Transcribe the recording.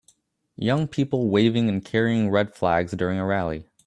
Young people waving and carrying red flags during a rally